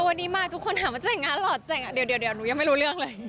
วันนี้มาทุกคนถามว่าแต่งงานเหรอแต่งเดี๋ยวหนูยังไม่รู้เรื่องเลย